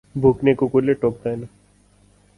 भुक्ने कुकुरले टोक्दैन